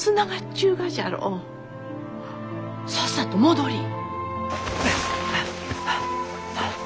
さっさと戻りい。